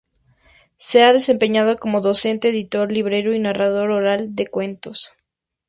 Se ha desempeñado como docente, editor, librero y narrador oral de cuentos.